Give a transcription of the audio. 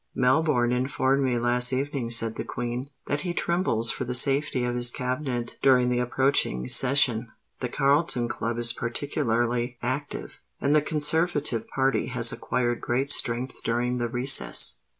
"Melbourne informed me last evening," said the Queen, "that he trembles for the safety of his Cabinet during the approaching session. The Carlton Club is particularly active; and the Conservative party has acquired great strength during the recess."